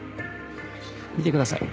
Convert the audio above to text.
見てください。